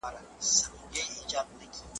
یا په ظلم یا انصاف به ختمېدلې ,